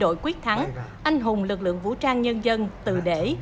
đội quyết thắng anh hùng lực lượng vũ trang nhân dân từ để